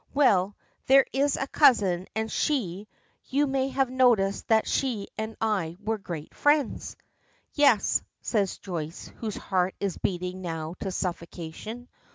Well, there is a cousin, and she you may have noticed that she and I were great friends?" "Yes," says Joyce, whose heart is beating now to suffocation.